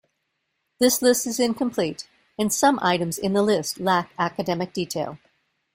This list is incomplete, and some items in the list lack academic detail.